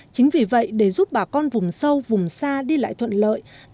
chính vì vậy để giúp bà con vùng sâu vùng xa đi lại thuận lợi